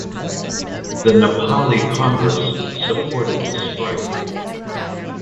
The Nepali Congress supported the strike.